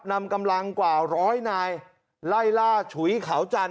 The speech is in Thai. นำกำลังกว่าร้อยนายไล่ล่าฉุยเขาจันท